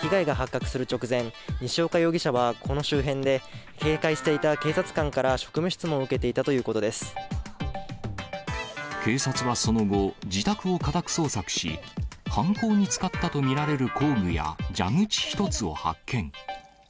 被害が発覚する直前、西岡容疑者は、この周辺で、警戒していた警察官から職務質問を受けていたという警察はその後、自宅を家宅捜索し、犯行に使ったと見られる工具や蛇口１つを発見。